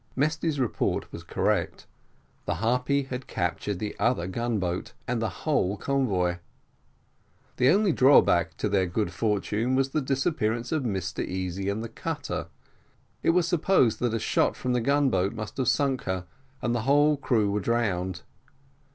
Mesty's report was correct; the Harpy had captured the other gun boat, and the whole convoy. The only drawback to their good fortune was the disappearance of Mr Easy and the cutter: it was supposed that a shot from the gun boat must have sunk her, and that the whole crew were drowned.